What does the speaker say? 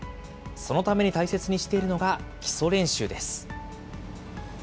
そのために大切にしているのが、基礎練習です。